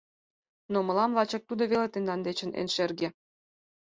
Но мылам лачак тудо веле тендан дечын эн шерге.